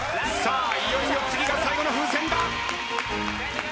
いよいよ次が最後の風船だ。